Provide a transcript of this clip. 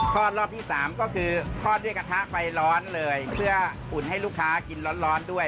รอบที่สามก็คือทอดด้วยกระทะไฟร้อนเลยเพื่ออุ่นให้ลูกค้ากินร้อนด้วย